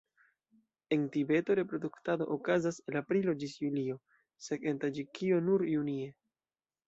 En Tibeto reproduktado okazas el aprilo ĝis julio, sed en Taĝikio nur junie.